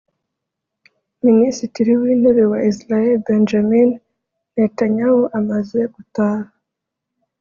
Minisitiri w’Intebe wa Israel Benjamin Netanyahu amaze gutaha